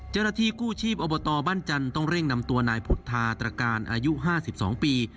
เจ้าหน้าที่กู้ชีพอบตบ้านจันทร์ต้องเร่งนำตัวนายพุทธาตรการอายุ๕๒ปี